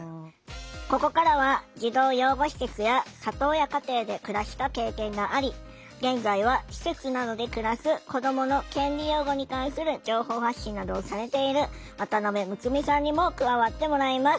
ここからは児童養護施設や里親家庭で暮らした経験があり現在は施設などで暮らす子どもの権利擁護に関する情報発信などをされている渡辺睦美さんにも加わってもらいます。